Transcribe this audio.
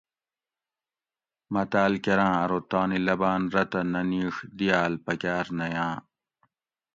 متاۤل کراۤں ارو تانی لباۤن رتہ نہ نِیڛ دِیاۤل پکاۤر نہ یاۤں